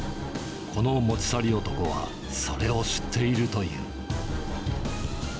この持ち去り男は、それを知っているという。